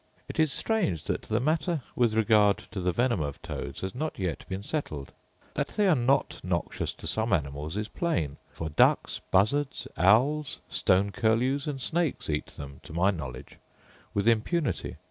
It is strange that the matter with regard to the venom of toads has not yet been settled. That they are not noxious to some animals is plain: for ducks, buzzards, owls, stone curlews, and snakes, eat them, to my knowledge, with impunity.